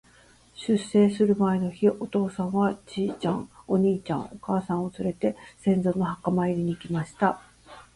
出征する前の日、お父さんは、ちいちゃん、お兄ちゃん、お母さんをつれて、先祖の墓参りに行きました。